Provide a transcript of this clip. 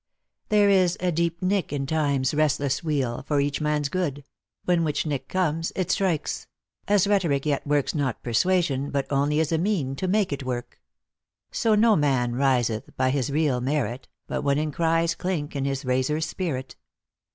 There is a deep nick in Time's restless wheel For each man's good ; when which nick comes, it strikes : As rhetoric yet works not persuasion, But only is a mean to make it work ; So no man riseth by his real merit, But when in cries clink in his Raiser's spirit."